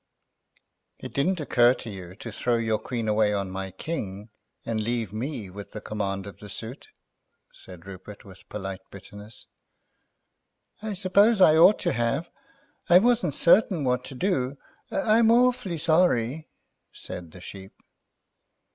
"It didn't occur to you to throw your queen away on my king and leave me with the command of the suit," said Rupert, with polite bitterness. "I suppose I ought to have—I wasn't certain what to do. I'm awfully sorry," said the Sheep.